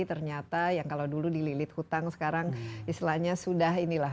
ternyata yang kalau dulu dililit hutang sekarang istilahnya sudah inilah